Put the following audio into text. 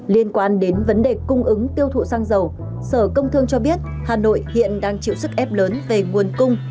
liên quan đến vấn đề cung ứng tiêu thụ xăng dầu sở công thương cho biết hà nội hiện đang chịu sức ép lớn về nguồn cung